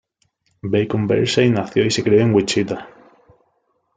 Bacon-Bercey nació y se crio en Wichita.